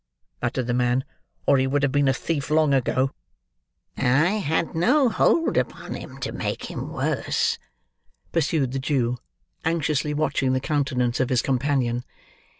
muttered the man, "or he would have been a thief, long ago." "I had no hold upon him to make him worse," pursued the Jew, anxiously watching the countenance of his companion.